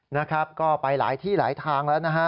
นะครับก็ไปหลายที่หลายทางแล้วนะฮะ